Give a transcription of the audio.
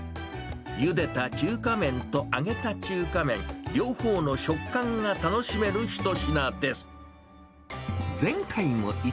ゆでた中華麺と揚げた中華麺、両方の食感が楽しめるひとしなです。